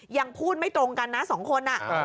ยังพูดไม่ตรงกันนะ๒คนน่ะ